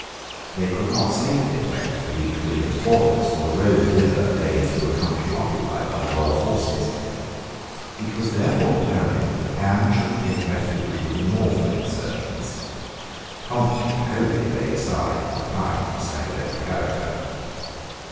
They could not safely attempt to reach William's quarters; for the road thither lay through a country occupied by the royal forces. It was therefore determined that Anne should take refuge with the northern insurgents. Compton wholly laid aside, for the time, his sacerdotal character.